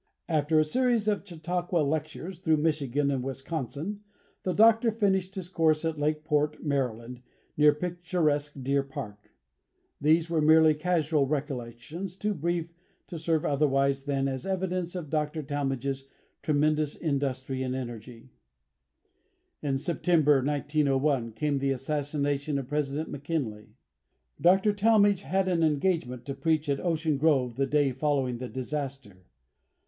After a series of Chautauqua lectures through Michigan and Wisconsin, the Doctor finished his course at Lake Port, Maryland, near picturesque Deer Park. These are merely casual recollections, too brief to serve otherwise than as evidence of Dr. Talmage's tremendous industry and energy. In September, 1901, came the assassination of President McKinley. Dr. Talmage had an engagement to preach at Ocean Grove the day following the disaster.